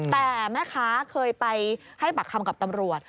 แต่แม่ค้าเคยไปให้ปากคำกับตำรวจ